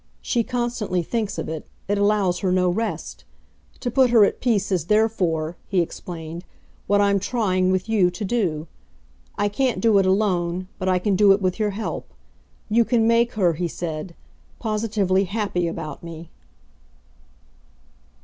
She constantly thinks of it it allows her no rest. To put her at peace is therefore," he explained, "what I'm trying, with you, to do. I can't do it alone, but I can do it with your help. You can make her," he said, "positively happy about me."